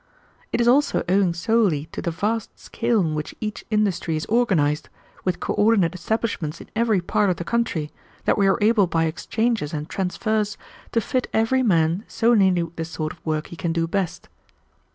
It is also owing solely to the vast scale on which each industry is organized, with co ordinate establishments in every part of the country, that we are able by exchanges and transfers to fit every man so nearly with the sort of work he can do best.